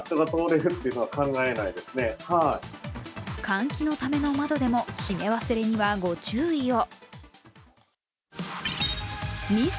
換気のための窓でも閉め忘れにはご注意を。